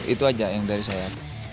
itu aja yang dari saya